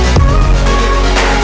kau mau ngeliatin apaan